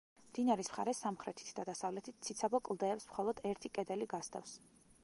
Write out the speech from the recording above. მდინარის მხარეს სამხრეთით და დასავლეთით ციცაბო კლდეებს მხოლოდ ერთი კედელი გასდევს.